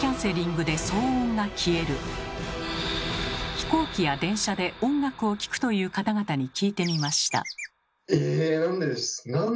飛行機や電車で音楽を聴くという方々に聞いてみました。